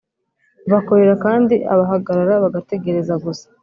bakorera kandi abahagarara bagategereza gusa. ”